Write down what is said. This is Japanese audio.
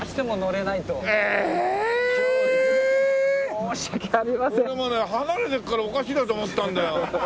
俺もね離れていくからおかしいなと思ったんだよ。